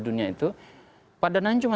dunia itu padanannya cuma